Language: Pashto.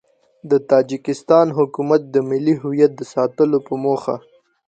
د تاجیکستان حکومت د ملي هویت د ساتلو په موخه